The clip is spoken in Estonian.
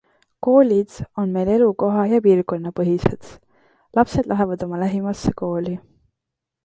Koolid on meil elukoha- ja piirkonnapõhised - lapsed lähevad oma lähimasse kooli.